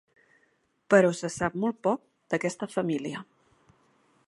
Però se sap molt poc d'aquesta família.